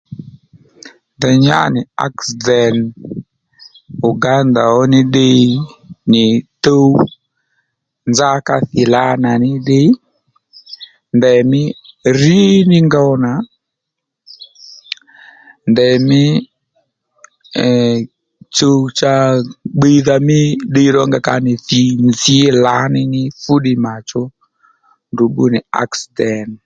Ndèy nyá nì aksident Uganda ó ní ddiy nì tuw nzá ka thìy lǎnà ní ddiy ndèymí rí ní ngow nà ndèymí ee tsuw cha bbiydha mí ddiy rónga ka nì thǐy nzǐ lǎní fú ddiy mà chú ndrǔ bbú nì aksident